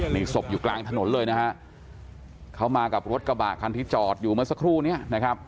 นี่ศพอยู่กลางถนนเลยนะฮะเขามากับรถกระบะคันที่จอดอยู่เมื่อสักครู่นี้นะครับ